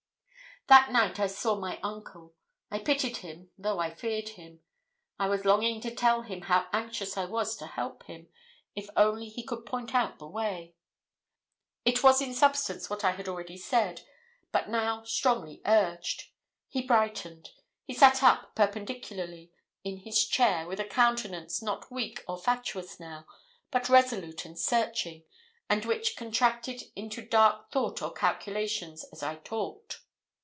That night I saw my uncle. I pitied him, though I feared him. I was longing to tell him how anxious I was to help him, if only he could point out the way. It was in substance what I had already said, but now strongly urged. He brightened; he sat up perpendicularly in his chair with a countenance, not weak or fatuous now, but resolute and searching, and which contracted into dark thought or calculation as I talked.